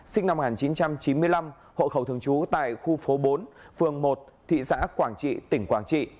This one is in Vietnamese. sinh năm một nghìn chín trăm chín mươi năm hộ khẩu thường trú tại khu phố bốn phường một thị xã quảng trị tỉnh quảng trị